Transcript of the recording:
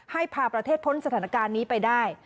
ให้พาประเทศพ้นสถานการณ์นี้ไปได้